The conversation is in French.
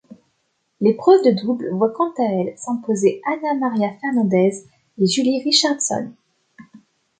L'épreuve de double voit quant à elle s'imposer Anna Maria Fernández et Julie Richardson.